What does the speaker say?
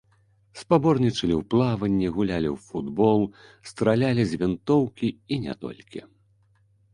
Спаборнічалі ў плаванні, гулялі ў футбол, стралялі з вінтоўкі і не толькі.